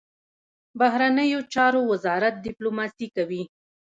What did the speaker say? بهرنیو چارو وزارت ډیپلوماسي کوي